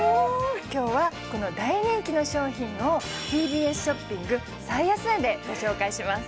今日はこの大人気の商品をＴＢＳショッピング最安値でご紹介します